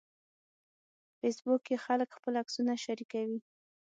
په فېسبوک کې خلک خپل عکسونه شریکوي